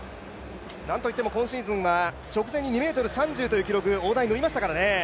なんといっても今シーズンは直前に２ｍ３０という大台にのりましたからね。